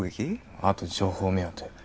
あと情報目当て